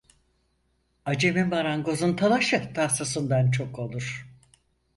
Acemi marangozun talaşı tahtasından çok olur.